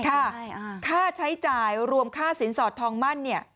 ค่าใช้จ่ายรวมค่าสินสอดทองมั่นเนี่ย